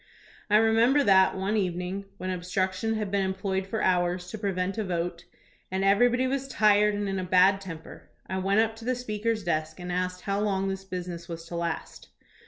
I remember that, one even ing, when obstruction had been employed for hours to prevent a vote, and everybody was tired and in a bad temper, I went up to the Speaker's desk and asked how long this business was to last.